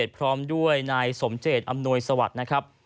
พร้อมด้วยนายสมเจตน์อำนวยสวรรค